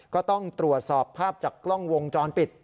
ก็ต้องตรวจสอบภาพจากกล้องวงจรปิด